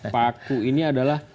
paku ini adalah